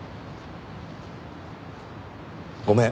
ごめん。